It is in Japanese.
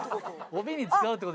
「帯に使うって事？」